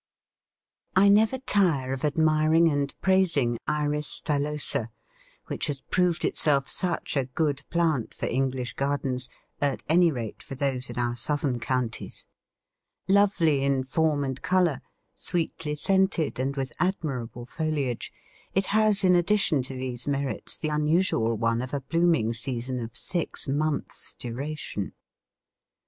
I never tire of admiring and praising Iris stylosa, which has proved itself such a good plant for English gardens; at any rate, for those in our southern counties. Lovely in form and colour, sweetly scented and with admirable foliage, it has in addition to these merits the unusual one of a blooming season of six months' duration.